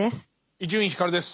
伊集院光です。